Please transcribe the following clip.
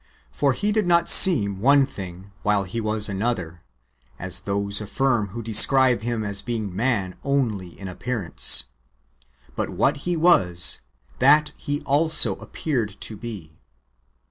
For He did not seem one thing while He was another, as those affirm who describe Him as being man only in appearance ; but what He was, that He also appeared to be.